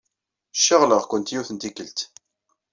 Caɣliɣ-kent yiwet n tikkelt.